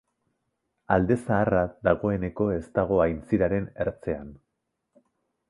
Alde zaharra dagoeneko ez dago aintziraren ertzean.